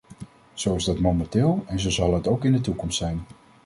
Zo is dat momenteel en zo zal het ook in de toekomst zijn.